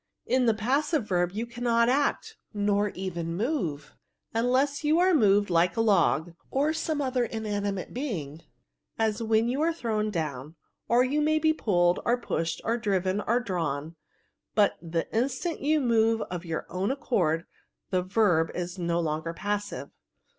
In the passive verb you cannot act, nor even move, unless you are moved like a log, or some other inanimate being, as when you are thrown down : or you may be pulled, or pushed, or driven, or drawn ; but the instant you move of your own accord, the verb is no longer passive.